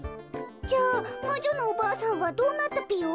じゃあまじょのおばあさんはどうなったぴよ？